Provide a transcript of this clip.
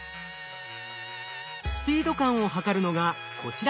スピード感を測るのがこちらの映像。